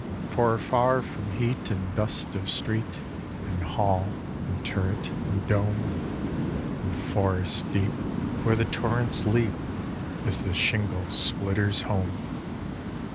For afar from heat and dust of street, And hall and turret and dome, In forest deep, where the torrents leap, Is the shingle splitter's home.